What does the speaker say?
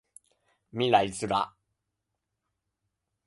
未来ズラ